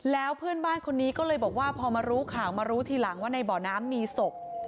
แล้วเพื่อนบ้านคนนี้ก็เลยบอกว่าพอมารู้ข่าวมารู้ทีหลังว่าในบ่อน้ำมีศพ